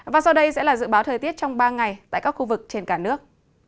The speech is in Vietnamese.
và sau đây sẽ là dự báo thời tiết trong ba ngày tại các khu vực trên cả nước